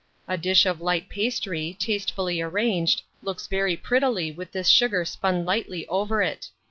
A dish of light pastry, tastefully arranged, looks very prettily with this sugar spun lightly over it.